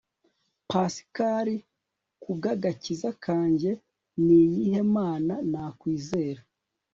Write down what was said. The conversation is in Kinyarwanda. Pascal kubwagakiza kanjye niyihe mana nakwizera